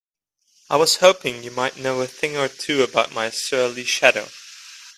I was hoping you might know a thing or two about my surly shadow?